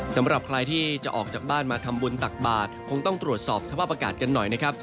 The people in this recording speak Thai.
สำหรับใครที่จะออกจากบ้านมาทำบุญตักบาทคงต้องตรวจสอบสภาพอากาศกันหน่อยนะครับ